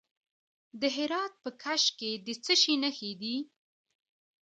د هرات په کشک کې د څه شي نښې دي؟